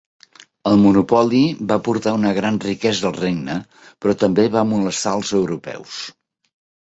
El monopoli va portar una gran riquesa al regne, però també va molestar als europeus.